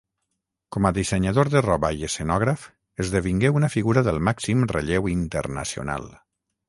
Com a dissenyador de roba i escenògraf, esdevingué una figura del màxim relleu internacional.